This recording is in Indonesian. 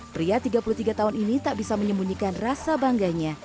pria tiga puluh tiga tahun ini tak bisa menyembunyikan rasa bangganya